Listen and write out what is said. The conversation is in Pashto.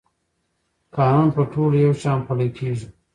قانون په ټولو یو شان پلی کېږي.